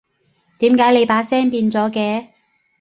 點解你把聲變咗嘅？